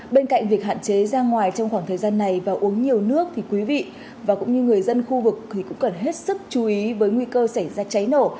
bên cạnh việc hạn chế ra ngoài trong khoảng thời gian này và uống nhiều nước thì quý vị và cũng như người dân khu vực cũng cần hết sức chú ý với nguy cơ xảy ra cháy nổ